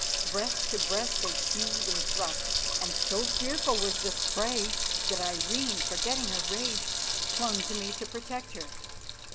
Breast to breast they hewed and thrust, and so fearful was the fray that Irene, forgetting her rage, clung to me to protect her.